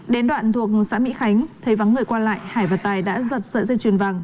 đến đoạn thuộc xã mỹ khánh thấy vắng người qua lại hải và tài đã giật sợi dây chuyền vàng